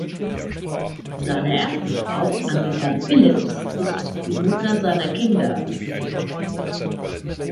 Seine erste Frau, Anita Philips, ist die Mutter seiner Kinder.